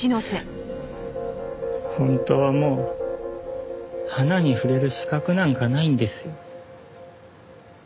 本当はもう花に触れる資格なんかないんですよ。